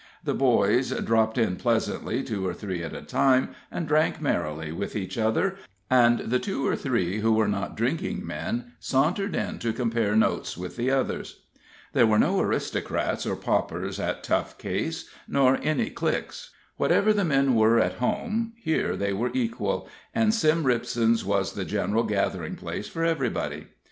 The boys dropped in pleasantly, two or three at a time, and drank merrily with each other; and the two or three who were not drinking men sauntered in to compare notes with the others. There were no aristocrats or paupers at Tough Case, nor any cliques; whatever the men were at home, here they were equal, and Sim Ripson's was the general gathering place for everybody.